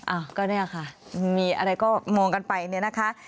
อ้าวก็เนี่ยค่ะมีอะไรก็มองกันไปเนี่ยนะคะ